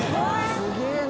すげぇな！